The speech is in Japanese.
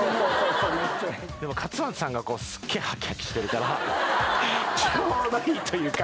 でも勝俣さんがすげえはきはきしてるからちょうどいいというか。